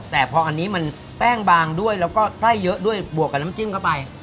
แต่พออันนี้มันแป้งบางด้วยแล้วก็ไส้เยอะด้วยบวกกับน้ำจิ้มเข้าไป